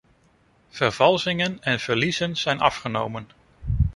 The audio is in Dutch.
Vervalsingen en verliezen zijn afgenomen.